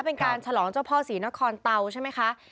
เป็นการฉลองเจ้าพ่อศรีนครเตาใช่ไหมคะ